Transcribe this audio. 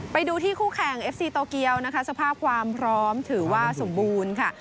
ไปดูที่คู่แข่งเอฟซีโตเกียวนะคะสภาพความพร้อมถือว่าสมบูรณ์ค่ะ